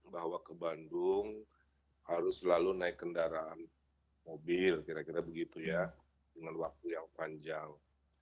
bahwa ke bandung harus selalu naik kendaraan mobil kira kira begitu ya dengan waktu yang panjang